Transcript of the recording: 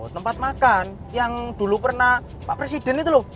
tempat makan yang dulu pernah pak presiden itu loh